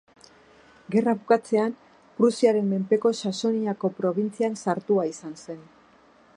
Gerrak bukatzean Prusiaren menpeko Saxoniako probintzian sartua izan zen.